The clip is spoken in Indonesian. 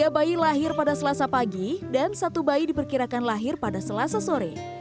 tiga bayi lahir pada selasa pagi dan satu bayi diperkirakan lahir pada selasa sore